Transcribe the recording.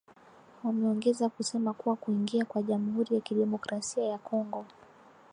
Wameongeza kusema kuwa kuingia kwa jamuhuri ya kidemokrasia ya Kongo